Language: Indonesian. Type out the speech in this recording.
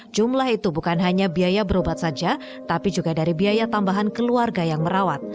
jumlah itu bukan hanya biaya berobat saja tapi juga dari biaya tambahan keluarga yang merawat